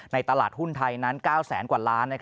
ตลาดหุ้นไทยนั้น๙แสนกว่าล้าน